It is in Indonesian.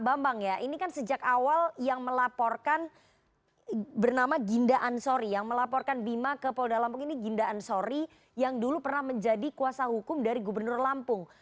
bambang ya ini kan sejak awal yang melaporkan bernama ginda ansori yang melaporkan bima ke polda lampung ini ginda ansori yang dulu pernah menjadi kuasa hukum dari gubernur lampung